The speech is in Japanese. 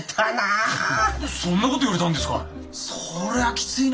そんな事言われたんですかい！？